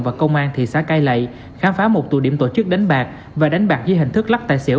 và công an thị xã cai lậy khám phá một tù điểm tổ chức đánh bạc và đánh bạc dưới hình thức lắc tài xỉu